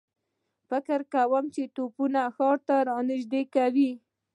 فکر کوم چې توپونه ښار ته را نږدې کوي.